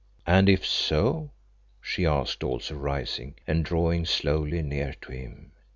"And if so?" she asked, also rising and drawing slowly near to him.